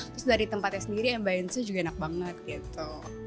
terus dari tempatnya sendiri ambience nya juga enak banget gitu